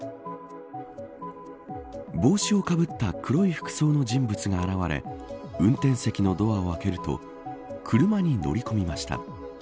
帽子をかぶった黒い服装の人物が現れ運転席のドアを開けると車に乗り込みました。